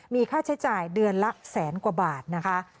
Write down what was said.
มีค่าใช้จ่ายเดือนละแสนกว่าบาทนะคะ